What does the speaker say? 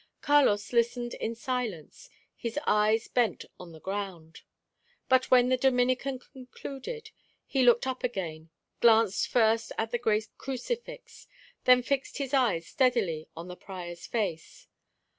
Carlos listened in silence, his eyes bent on the ground. But when the Dominican concluded, he looked up again, glanced first at the great crucifix, then fixed his eyes steadily on the prior's face.